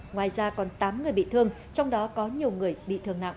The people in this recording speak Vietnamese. ngoài ra còn tám người bị thương trong đó có nhiều người bị thương nặng